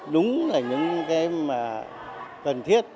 đúng là những cái mà cần thiết